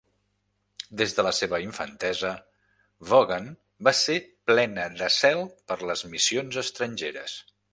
Des de la seva infantesa, Vaughan va ser plena de cel per les missions estrangeres.